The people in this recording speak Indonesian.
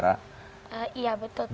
iya betul pengen jadi pramugara